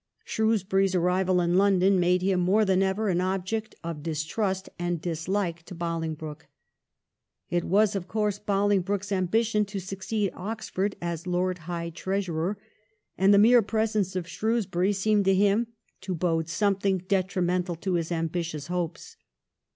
Shrewsbury's arrival in London made him more than ever an object of distrust and dislike to Bolingbroke. It was of course Bolingbroke's ambition to succeed Oxford as Lord High Treasurer, and the mere presence of Shrewsbury seemed to him to bode something detrimental to his ambitious hopes.